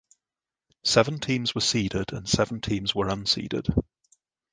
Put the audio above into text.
Seven teams were seeded and seven teams were unseeded.